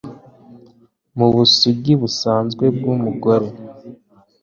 Mubusugi busanzwe bwumugore